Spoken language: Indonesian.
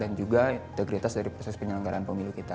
dan juga integritas dari proses penyelenggaraan pemilu kita